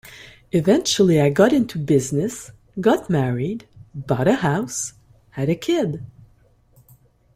Eventually I got into business, got married, bought a house, had a kid.